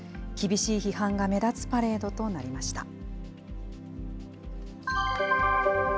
厳しい批判が目立つパレードとなりました。